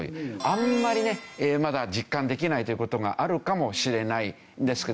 あんまりねまだ実感できないという事があるかもしれないですけど。